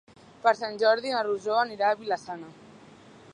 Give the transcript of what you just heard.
Per Sant Jordi na Rosó anirà a Vila-sana.